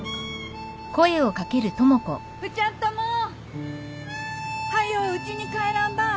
・ふちゃっとも！はようちに帰らんば。